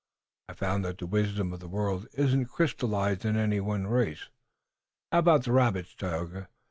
I've found that the wisdom of the world isn't crystallized in any one race. How about the rabbits, Tayoga?